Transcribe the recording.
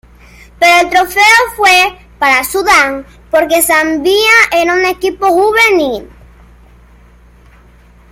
Pero el trofeo fue para Sudán, porque Zambia era un equipo juvenil.